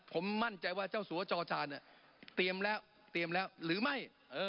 ผมมั่นใจว่าเจ้าสวรรค์จอจานเตรียมแล้วหรือไม่